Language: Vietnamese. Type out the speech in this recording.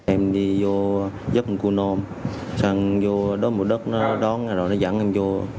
em đi vô giúp một cô nôm xong vô đốt một đất nó đón rồi nó dẫn em vô